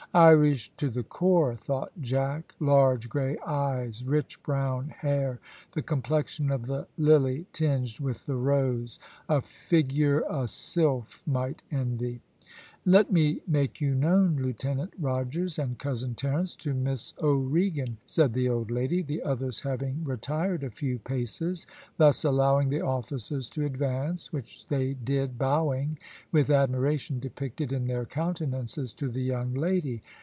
"Irish to the core," thought Jack. "Large grey eyes, rich brown hair the complexion of the lily tinged with the rose a figure a sylph might envy." "Let me make you known, Lieutenant Rogers and Cousin Terence to Miss O'Regan," said the old lady, the others having retired a few paces, thus allowing the officers to advance, which they did bowing, with admiration depicted in their countenances, to the young lady.